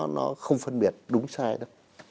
nó không phân biệt đúng sai đâu